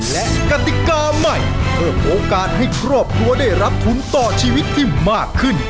และกติกาใหม่เพิ่มโอกาสให้ครอบครัวได้รับทุนต่อชีวิตที่มากขึ้น